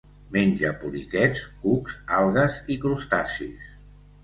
Menja poliquets, cucs, algues i crustacis.